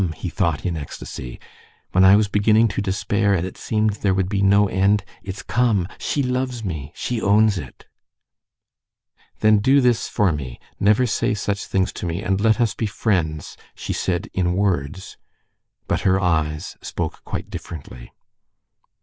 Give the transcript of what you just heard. he thought in ecstasy. "When I was beginning to despair, and it seemed there would be no end—it's come! She loves me! She owns it!" "Then do this for me: never say such things to me, and let us be friends," she said in words; but her eyes spoke quite differently.